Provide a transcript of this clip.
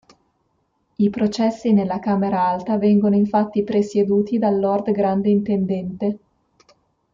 I processi nella camera alta vengono infatti presieduti dal lord grande intendente.